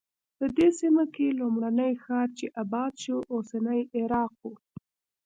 په دې سیمه کې لومړنی ښار چې اباد شو اوسنی عراق و.